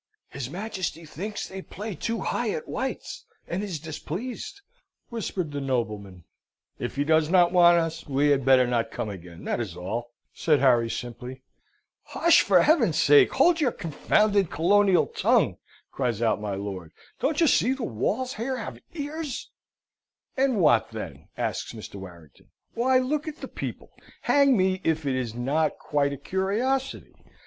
"His Majesty thinks they play too high at White's, and is displeased," whispered the nobleman. "If he does not want us, we had better not come again, that is all," said Harry, simply. "I never, somehow, considered that German fellow a real King of England." "Hush! for Heaven's sake, hold your confounded colonial tongue!" cries out my lord. "Don't you see the walls here have ears!" "And what then?" asks Mr. Warrington. "Why, look at the people! Hang me, if it is not quite a curiosity!